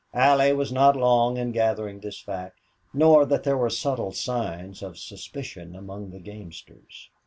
Allie was not long in gathering this fact, nor that there were subtle signs of suspicion among the gamesters.